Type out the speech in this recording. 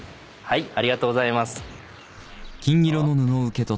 ありがとうございます。